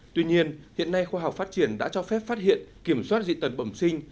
tuy nhiên hiện nay khoa học phát triển đã cho phép phát hiện kiểm soát dị tật bẩm sinh